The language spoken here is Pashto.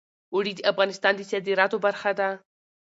اوړي د افغانستان د صادراتو برخه ده.